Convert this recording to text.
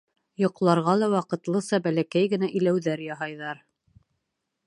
Йоҡларға ла ваҡытлыса бәләкәй генә иләүҙәр яһайҙар.